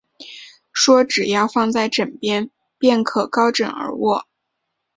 说只要放在枕边，便可高枕而卧